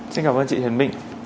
xin cảm ơn chị hiền bình